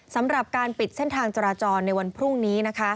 สำหรับการปิดเส้นทางจราจรในวันพรุ่งนี้นะคะ